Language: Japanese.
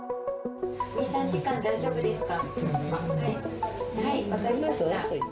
２、３時間大丈夫ですか？